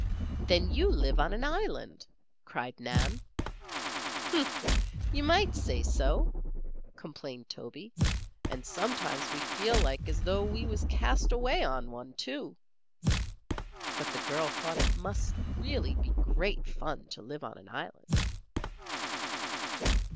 "Then you live on an island," cried Nan. "Huh! Ye might say so," complained Toby. "And sometimes we feel like as though we was cast away on one, too." But the girl thought it must really be great fun to live on an island.